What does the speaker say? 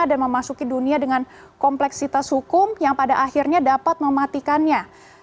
dan memasuki dunia dengan kompleksitas hukum yang pada akhirnya dapat mematikannya